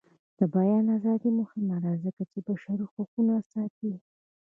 د بیان ازادي مهمه ده ځکه چې بشري حقونه ساتي.